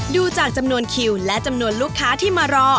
ดูจากจำนวนคิวและจำนวนลูกค้าที่มารอ